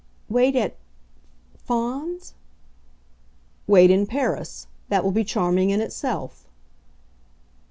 "Wait a at Fawns?" "Wait in Paris. That will be charming in itself."